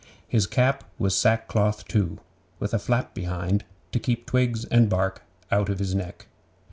His cap was sackcloth too, with a flap behind, to keep twigs and bark out of his neck.